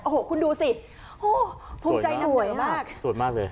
โอ้โหคุณดูสิโอ้โหภูมิใจนักหวยมากสวยมากเลย